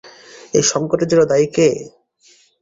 এই সঙ্কটের জন্য দায়ী কে?